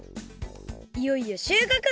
いよいよ収穫！